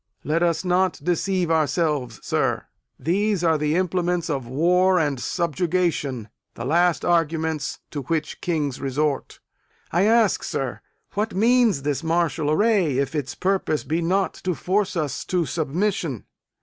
Let us not deceive ourselves, sir. These are the implements of war and subjugation the last arguments to which kings resort. I ask, sir, what means this martial array, if its purpose be not to force us to submission?